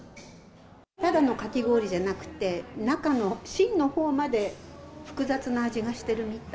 ただのかき氷じゃなくて、中の芯のほうまで複雑な味がしてるみたい。